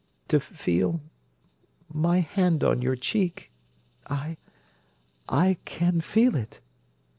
"To feel—my hand on your cheek. I—I can feel it."